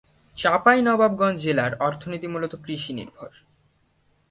চাঁপাইনবাবগঞ্জ জেলার অর্থনীতি মূলত কৃষি নির্ভর।